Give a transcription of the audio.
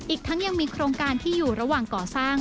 อีกทั้งยังมีโครงการที่อยู่ระหว่างก่อสร้าง